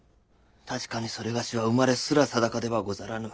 確かにそれがしは生まれすら定かではござらぬ。